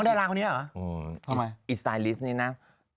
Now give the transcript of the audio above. อีสไตลิสนี่นะ